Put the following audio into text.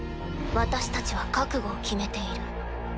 私たちは覚悟を決めている。